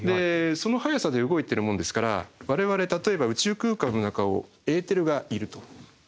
その速さで動いてるもんですから我々例えば宇宙空間の中をエーテルがいると。